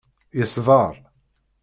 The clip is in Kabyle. Yeṣber.